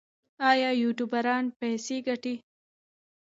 آیا یوټیوبران پیسې ګټي؟